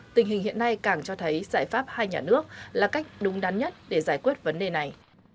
tình hình hiện nay càng cho thấy giải pháp hai nhà nước là cách đúng đắn nhất để giải quyết vấn đề này